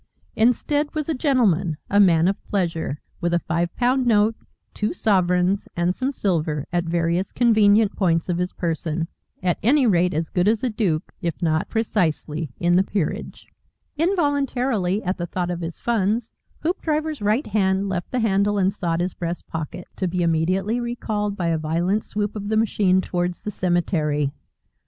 Instead was a gentleman, a man of pleasure, with a five pound note, two sovereigns, and some silver at various convenient points of his person. At any rate as good as a Dook, if not precisely in the peerage. Involuntarily at the thought of his funds Hoopdriver's right hand left the handle and sought his breast pocket, to be immediately recalled by a violent swoop of the machine towards the cemetery.